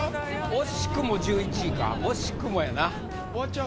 「惜しくも１１位」か「惜しくも」やな。終わっちゃう。